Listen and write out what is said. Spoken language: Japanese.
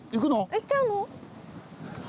行っちゃうの？